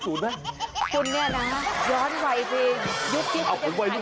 คุณนี่นะย้อนวัยจริงยุคยุคยุคยุค